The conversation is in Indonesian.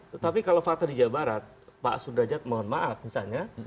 tetapi kalau fakta di jawa barat pak sudrajat mohon maaf misalnya